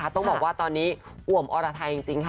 ต้องบอกว่าตอนนี้อ่วมอรไทยจริงค่ะ